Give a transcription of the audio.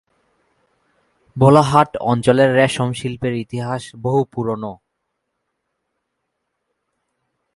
ভোলাহাট অঞ্চলের রেশম শিল্পের ইতিহাস বহু পুরানো।